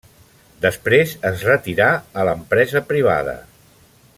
Després es retirà a l'empresa privada.